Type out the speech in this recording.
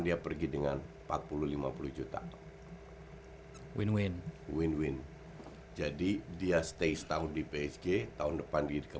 dia pergi dengan empat puluh lima puluh juta win win win win jadi dia stay setahun di psg tahun depan dia ke